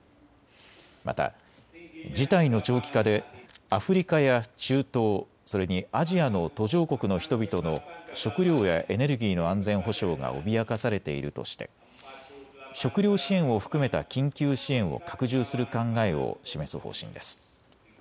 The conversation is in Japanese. また事態の長期化でアフリカや中東、それにアジアの途上国の人々の食料やエネルギーの安全保障が脅かされているとして食料支援を含めた緊急支援を拡充する考えを示す方針です。